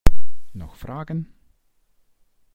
Noch Fragen?